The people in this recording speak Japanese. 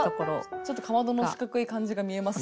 ちょっとかまどの四角い感じが見えます。